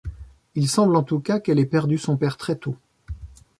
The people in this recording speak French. Il semble en tout cas qu'elle ait perdu son père très tôt.